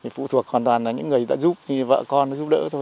phụ thuộc hoàn toàn là những người đã giúp vợ con giúp đỡ thôi